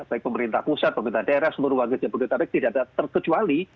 baik pemerintah pusat pemerintah daerah semua warga jamboree tapek tidak terkecuali